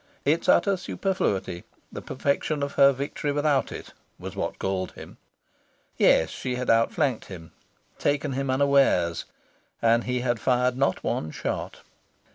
Its utter superfluity the perfection of her victory without it was what galled him. Yes, she had outflanked him, taken him unawares, and he had fired not one shot.